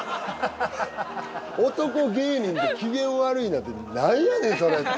男芸人で機嫌悪いなんて何やねんそれって。